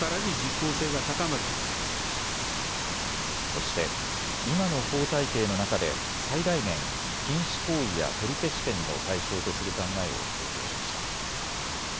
そして今の法体系の中で最大限、禁止行為や取消権の対象とする考えを強調しました。